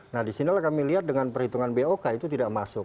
nah di sini lah kami lihat dengan perhitungan bok itu tidak masuk